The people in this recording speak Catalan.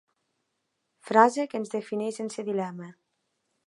Frase que ens defineix sense dilema.